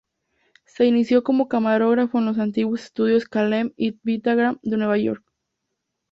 Se inició como camarógrafo en los antiguos estudios "Kalem y Vitagraph", de Nueva York.